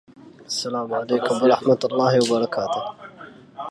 أرى الغر في الدنيا إذا كان فاضلا